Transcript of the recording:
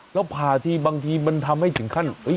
แล้วผ่าทีบางทีมันทำให้ถึงขั้น